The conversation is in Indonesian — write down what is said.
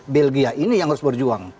belgia ini yang harus berjuang